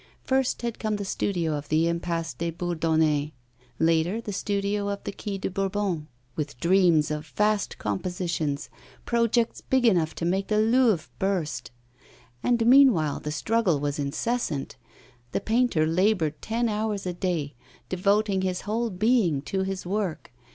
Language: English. First had come the studio of the Impasse des Bourdonnais; later, the studio of the Quai de Bourbon, with dreams of vast compositions, projects big enough to make the Louvre burst; and, meanwhile, the struggle was incessant; the painter laboured ten hours a day, devoting his whole being to his work.